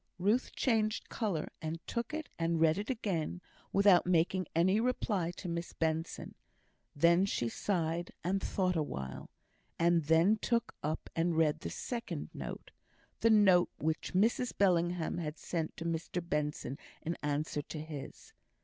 Ruth changed colour, and took it and read it again without making any reply to Miss Benson. Then she sighed, and thought a while; and then took up and read the second note the note which Mrs Bellingham had sent to Mr Benson in answer to his.